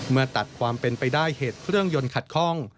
เมื่อตัดความเป็นไปได้เหตุเครื่องยนต์ขัดข้อง